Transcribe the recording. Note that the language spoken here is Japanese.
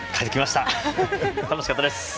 楽しかったです。